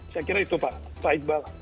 saya kira itu pak baik banget